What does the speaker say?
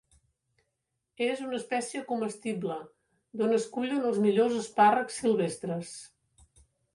És una espècie comestible d'on es cullen els millors espàrrecs silvestres.